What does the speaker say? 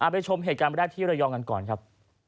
ไปชมเหตุการณ์แรกที่ระยองกันก่อนครับ